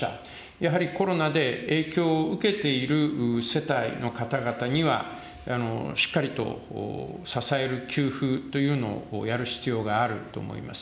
やはりコロナで影響を受けている世帯の方々には、しっかりと支える給付というのをやる必要があると思います。